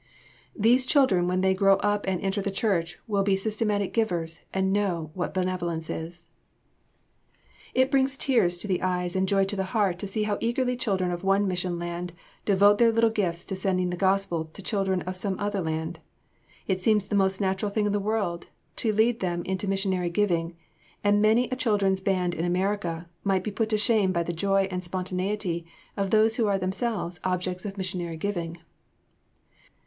These children when they grow up and enter the church will be systematic givers and know what benevolence is. [Sidenote: Missionary gifts in mission lands.] It brings tears to the eyes and joy to the heart to see how eagerly children of one mission land devote their little gifts to sending the Gospel to children of some other land. It seems the most natural thing in the world to lead them into missionary giving, and many a children's band in America might be put to shame by the joy and spontaneity of those who are themselves objects of missionary giving.